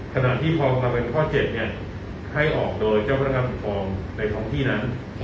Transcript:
สำหรับที่พอมันเป็นข้อ๗ให้ออกโดยเจ้าพนักภัยผู้ความในท้องที่นั้น